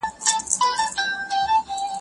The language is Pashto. زه اوږده وخت د سبا لپاره د سبا پلان جوړوم وم.